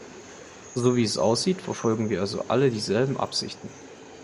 So wie es aussieht, verfolgen wir also alle dieselben Absichten.